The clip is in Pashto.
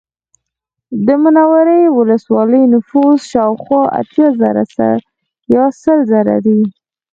د منورې ولسوالۍ نفوس شاوخوا اتیا زره یا سل زره دی